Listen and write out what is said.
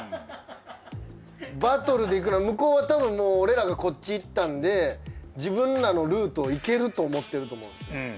バトルでいくなら向こうはたぶんもう俺らがこっち行ったんで自分らのルートをいけると思ってると思うんです。